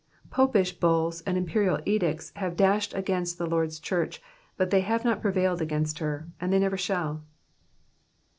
Popish bulls, and im perial edicts have dashed against the Lord's church, but they have not prevailed against her, and they never shall.